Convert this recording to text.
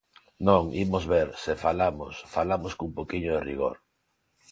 Non, imos ver, se falamos, falamos cun pouquiño de rigor.